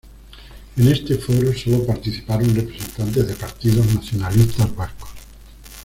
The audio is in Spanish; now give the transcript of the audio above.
En este foro sólo participaron representantes de partidos nacionalistas vascos.